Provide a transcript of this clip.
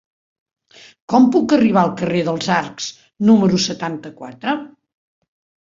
Com puc arribar al carrer dels Arcs número setanta-quatre?